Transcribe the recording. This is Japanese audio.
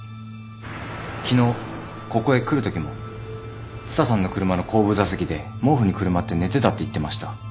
昨日ここへ来るときも蔦さんの車の後部座席で毛布にくるまって寝てたって言ってました。